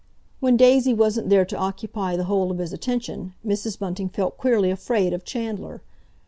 When Daisy wasn't there to occupy the whole of his attention, Mrs. Bunting felt queerly afraid of Chandler.